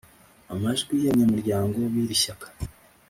amajwi yabanyamuryango birishyaka